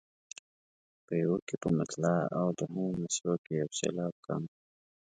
په یوه کې په مطلع او دوهمو مصرعو کې یو سېلاب کم.